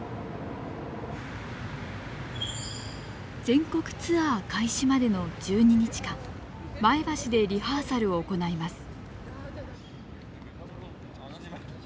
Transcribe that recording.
全国ツアー開始までの１２日間前橋でリハーサルを行います。